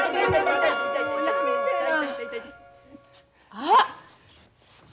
あっ！